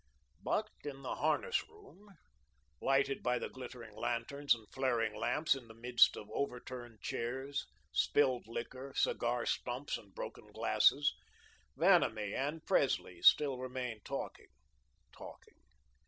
But in the harness room, lighted by the glittering lanterns and flaring lamps, in the midst of overturned chairs, spilled liquor, cigar stumps, and broken glasses, Vanamee and Presley still remained talking, talking.